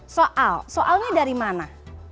soal soalnya dari mana